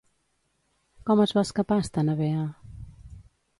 Com es va escapar Estenebea?